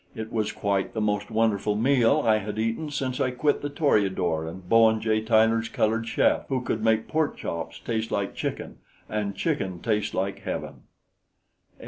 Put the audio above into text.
It was quite the most wonderful meal I had eaten since I quit the Toreador and Bowen J. Tyler's colored chef, who could make pork chops taste like chicken, and chicken taste like heaven.